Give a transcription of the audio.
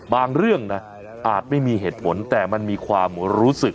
เรื่องนะอาจไม่มีเหตุผลแต่มันมีความรู้สึก